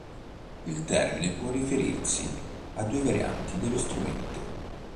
Il termine può riferirsi a due varianti dello strumento.